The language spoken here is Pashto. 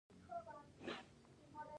آیا اسلامي نومونه ډیر نه خوښیږي؟